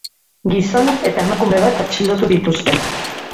Gizon eta emakume bat atxilotu dituzte.